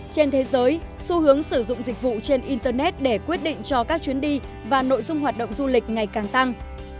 trên thế giới xu hướng sử dụng dịch vụ trên internet để quyết định cho các chuyến đi và nội dung hoạt động du lịch ngày càng tăng